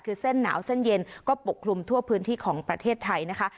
คือเส้นหนาวเส้นเย็นก็ปกคลุมทั่วพื้นที่ของประเทศไทยนะคะ